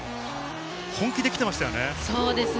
本気で来てましたよね。